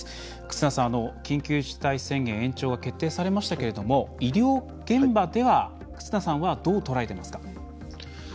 忽那さん、緊急事態宣言延長が決定されましたが医療現場では忽那さんはどうとらえていますか？